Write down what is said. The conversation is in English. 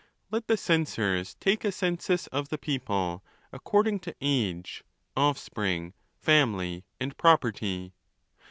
"Let the censors take a census of the 'people, according to: age, offspring, family, and property.